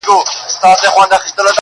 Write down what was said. پاچهۍ لره تر لاس تر سترگه تېر وه٫